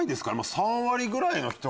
３割ぐらいの人。